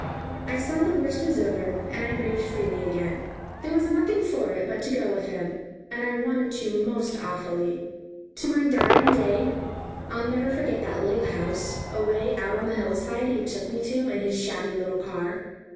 I saw the worst was over, and I breathed freely again. There was nothing for it but to go with him, and I wanted to most awfully. To my dying day I'll never forget that little house, away out on the hillside, he took me to in his shabby little car.